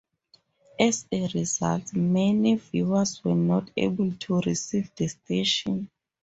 As a result, many viewers were not able to receive the station.